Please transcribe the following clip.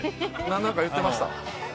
何か言ってました？